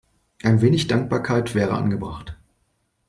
Ein wenig Dankbarkeit wäre angebracht.